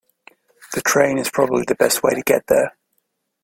The train is probably the best way to get there.